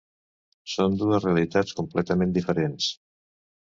Són dues realitats completament diferents.